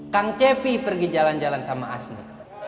kang cepi pergi jalan jalan sama asih